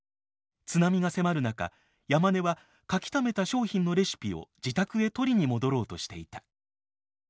津波が迫る中山根は書きためた商品のレシピを自宅へ取りに戻ろうとしていた。